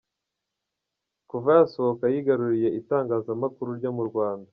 Kuva yasohoka yigaruriye itangazamakuru ryo mu Rwanda.